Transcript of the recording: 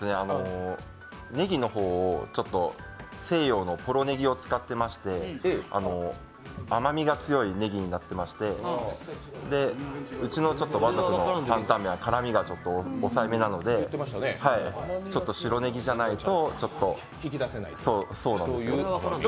ネギの方を西洋のポロネギを使ってまして甘みが強いねぎになっていましてうちの、馬賊の坦々麺は辛みが抑えめなので、白ねぎじゃないと引き出せないので。